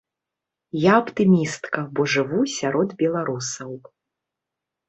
Я аптымістка, бо жыву сярод беларусаў.